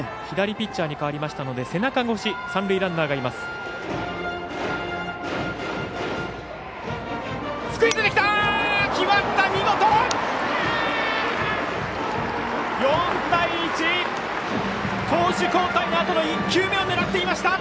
左ピッチャーに代わりましたので背中越し三塁ランナーがいます。